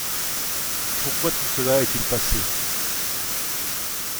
Pourquoi tout cela est-il passé?